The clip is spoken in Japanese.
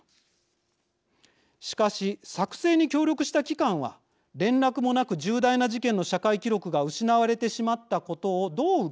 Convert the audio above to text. しかし作成に協力した機関は連絡もなく重大な事件の社会記録が失われてしまったことをどう受け止めるでしょう。